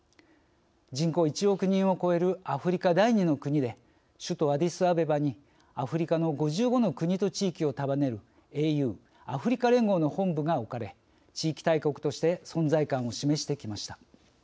人口１億人を超えるアフリカ第２の国で首都アディスアベバにアフリカの５５の国と地域を束ねるＡＵ＝アフリカ連合の本部が置かれ、地域大国として存在感を示してきました。